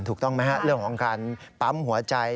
ถูกต้องไหมฮะเรื่องของการปั๊มหัวใจ